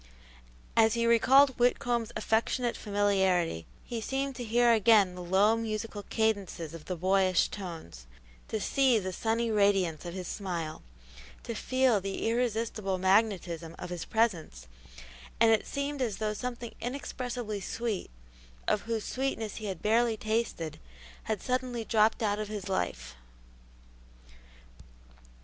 As he recalled Whitcomb's affectionate familiarity, he seemed to hear again the low, musical cadences of the boyish tones, to see the sunny radiance of his smile, to feel the irresistible magnetism of his presence, and it seemed as though something inexpressibly sweet, of whose sweetness he had barely tasted, had suddenly dropped out of his life.